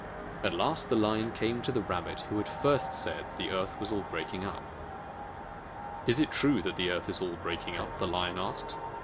At last the Lion came to the Rabbit who had first said the earth was all breaking up. "Is it true that the earth is all breaking up?" the Lion asked.